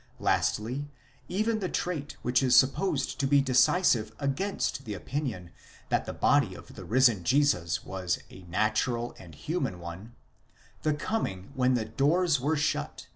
6 Lastly, even the trait which is supposed to be decisive against the opinion that the body of the risen Jesus was a natural and human one,— the coming when the doors were shut ἔρχεσθαι.